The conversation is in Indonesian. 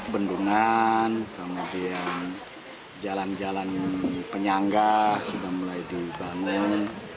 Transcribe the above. bendungan kemudian jalan jalan penyangga sudah mulai dibangun